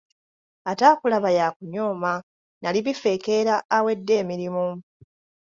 Ataakulaba y'akuyooma. Nali bifekeera awedde emirimu.